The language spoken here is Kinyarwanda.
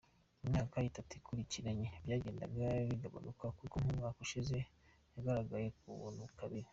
Mu myaka itatu ikurikiranye byagendaga bigabanuka kuko nk’umwaka ushize yagaragaye ku bantu babiri.